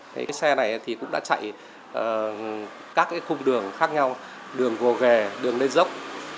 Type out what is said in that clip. cái xe này thì cũng đã chạy các khung đường khác nhau đường gồ ghè đường lên dốc